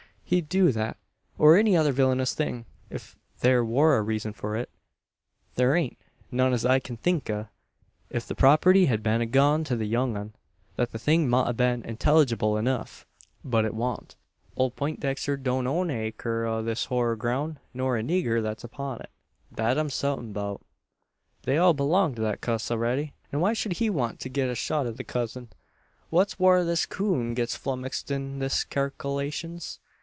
He'd do that, or any other villinous thing, ef there war a reezun for it. There ain't none as I kin think o'. Ef the property hed been a goin' to the young un, then the thing mout a been intellygible enuf. But it want. Ole Peintdexter don't own a acre o' this hyur groun'; nor a nigger thet's upon it. Thet I'm sartin' 'beout. They all belong to that cuss arready; an why shed he want to get shot o' the cousin? Thet's whar this coon gets flummixed in his kalkerlations.